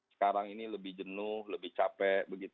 sekarang ini lebih jenuh lebih capek